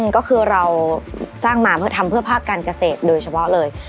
ก็คือเราสร้างมาเพื่อทำเพื่อภาคการเกษตรโดยเฉพาะเลย